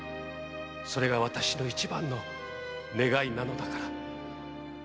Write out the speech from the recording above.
「それが私の一番の願いなのだから」